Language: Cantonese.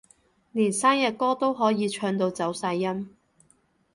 連生日歌都可以唱到走晒音